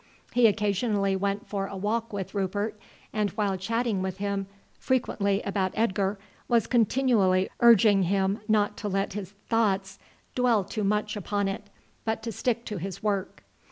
He occasionally went for a walk with Rupert, and while chatting with him frequently about Edgar, was continually urging him not to let his thoughts dwell too much upon it, but to stick to his work.